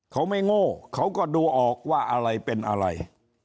เขาไม่โง่เขาก็ดูออกว่าอะไรเป็นอะไร